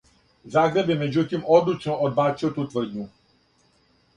Загреб је међутим одлучно одбацио ту тврдњу.